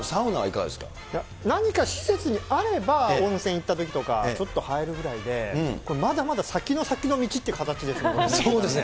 どうですか、何か施設にあれば、温泉行ったときとか、ちょっと入るぐらいでこれ、まだまだ先の先の道ってそうですね。